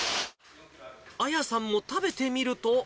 亜矢さんも食べてみると。